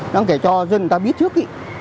đáng kể cho dân người ta biết trước ý